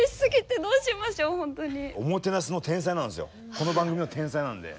この番組の天才なんで。